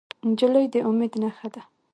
نجلۍ د امید نښه ده.